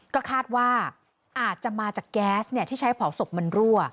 ก็คาดว่าอาจจะมาจากแก๊สที่ใช้เผาศพมันรั่ว